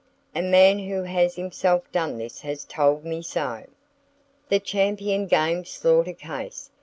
A man who has himself done this has told me so. The Champion Game Slaughter Case.